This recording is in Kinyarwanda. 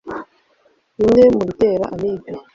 Bimwe mu bitera Amibe :